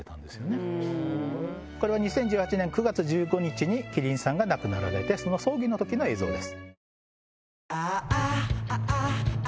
これは２０１８年９月１５日に希林さんが亡くなられてその葬儀の時の映像です。